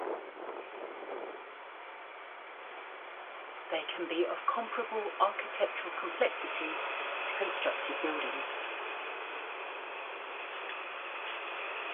They can be of comparable architectural complexity to constructed buildings.